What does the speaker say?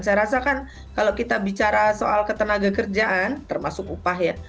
saya rasa kan kalau kita bicara soal ketenaga kerjaan termasuk upah ya